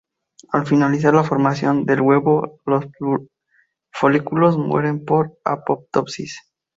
Al finalizar la formación del huevo, los folículos mueren por apoptosis.